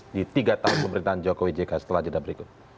di tiga tahun kemudian